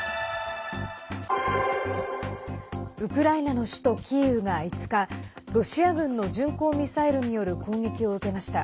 ウクライナの首都キーウが５日ロシア軍の巡航ミサイルによる攻撃を受けました。